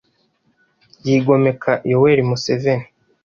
yigomeka yoweri museveni.